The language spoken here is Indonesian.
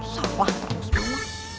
salah terus mama